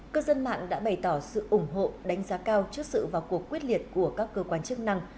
cư dân mạng đã bày tỏ sự ủng hộ đánh giá cao trước sự vào cuộc quyết liệt của các cơ quan chức năng